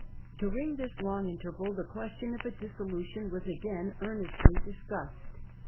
During this long interval the question of a dissolution was again earnestly discussed.